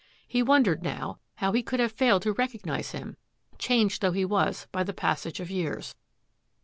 He wondered now how he could have failed to recog nise him, changed though he was by the passage of years.